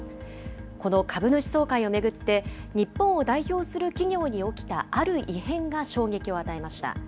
この株主総会を巡って、日本を代表する企業に起きたある異変が衝撃を与えました。